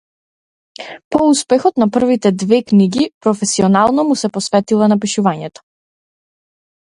По успехот на првите две книги професионално му се посветила на пишувањето.